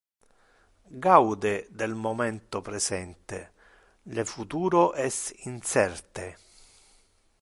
Gaude del momento presente, le futuro es incerte.